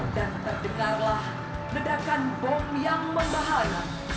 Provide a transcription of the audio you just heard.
dan terdengarlah nedakan bom yang membahaya